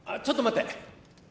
ちょっと待って。